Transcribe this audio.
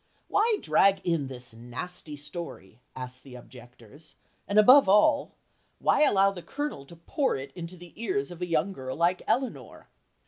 "Why drag in this nasty story?" ask the objectors, and above all, "why allow the Colonel to pour it into the ears of a young girl like Elinor?"